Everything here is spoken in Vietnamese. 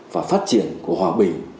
và phát triển của hòa bình